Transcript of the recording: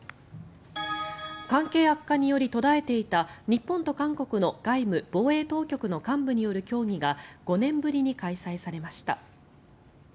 関係悪化により途絶えていた日本と韓国の外務・防衛当局の幹部による協議が５年ぶりに開催されました。